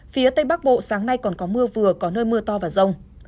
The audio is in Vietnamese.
phía tây bắc bộ sáng nay còn có mưa vừa có nơi mưa to và rông